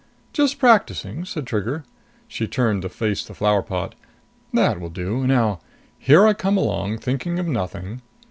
"Just practicing," said Trigger. She turned to face the flower pot. "That will do. Now here I come along, thinking of nothing."